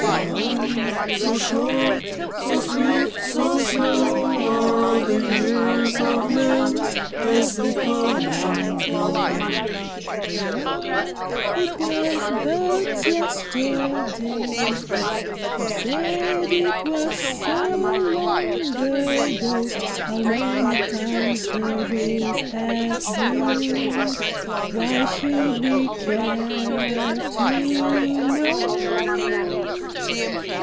So long, so short, So swift, so slow, Are the years of man As they come and go I 366 AN ANNIVERSARY O love, it was but yesterday ! Who said it was so long ago ? How many times the rose hath bloomed, Why should we care to know